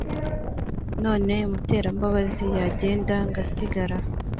none muterambabazi yagenda ngasigara!"